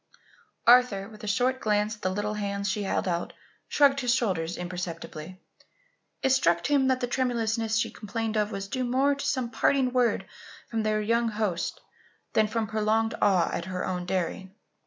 Arthur, with a short glance at the little hands she held out, shrugged his shoulders imperceptibly. It struck him that the tremulousness she complained of was due more to some parting word from their young host, than from prolonged awe at her own daring.